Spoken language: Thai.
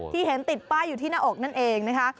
ที่เห็นติดป้ายอยู่ที่หน้าอกนั่นเองนะคะ